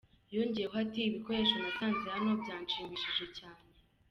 Yongeyeho ati”ibikoresho nasanze hano byanshimishije cyane “.